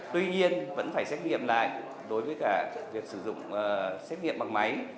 tuy nhiên vẫn phải xét nghiệm lại đối với cả việc sử dụng xét nghiệm bằng máy